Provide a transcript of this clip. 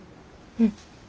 うん。